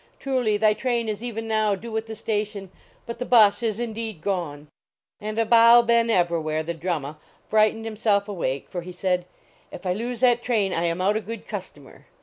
Truly thy train is even now due at the station, but the bus is indeed gone!" And Abou Ben Evrawhair the Drummuh frightened himself awake, for he said, " If I lose that train I am out a good customer!"